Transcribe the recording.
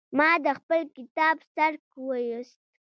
ما د خپل کتاب څرک ويوست.